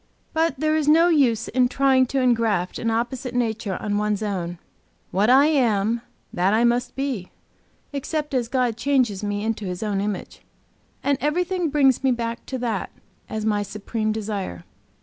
But there is no use in trying to engraft an opposite nature on one's own. What I am, that I must be, except as God changes me into His own image. And everything brings me back to that, as my supreme desire.